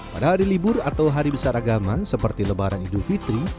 pada hari libur atau hari besar agama seperti lebaran idul fitri